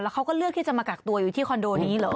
เขาก็เลือกที่จะมากักตัวอยู่ที่คอนโดนี้เหรอ